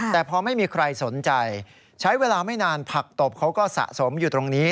แต่พอไม่มีใครสนใจใช้เวลาไม่นานผักตบเขาก็สะสมอยู่ตรงนี้